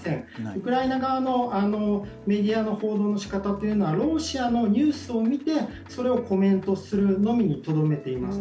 ウクライナ側のメディアの報道のしかたというのは、ロシアのニュースを見てそれをコメントするのみにとどめています。